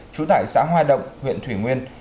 chủ tại xã hoa động huyện thủy nguyên